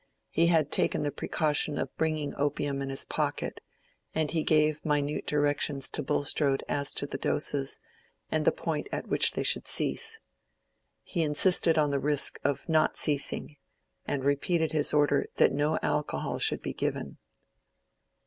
He had taken the precaution of bringing opium in his pocket, and he gave minute directions to Bulstrode as to the doses, and the point at which they should cease. He insisted on the risk of not ceasing; and repeated his order that no alcohol should be given.